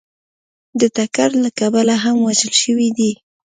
د ټکر له کبله هم وژل شوي دي